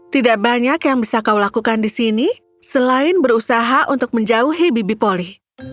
tidak banyak yang bisa kau lakukan di sini selain berusaha untuk menjauhi bibi poli